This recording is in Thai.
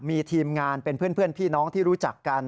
มีทีมงานเป็นเพื่อนพี่น้องที่รู้จักกัน